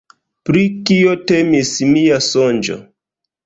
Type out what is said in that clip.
Pri kio temis mia sonĝo?